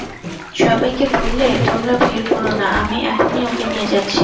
সবাইকে বললে, তোমরা ভিড় কোরো না, আমি এখনই ওকে নিয়ে যাচ্ছি।